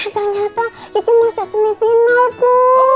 dan ternyata kiki masuk semifinal pu